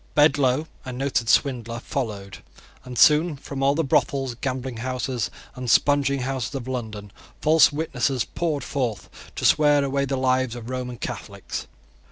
Bedloe, a noted swindler, followed; and soon from all the brothels, gambling houses, and spunging houses of London, false witnesses poured forth to swear away the lives of Roman Catholics.